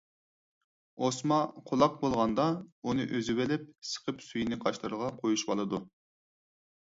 ئوسما قۇلاق بولغاندا، ئۇنى ئۈزۈۋېلىپ سىقىپ سۈيىنى قاشلىرىغا قويۇشۇۋالىدۇ.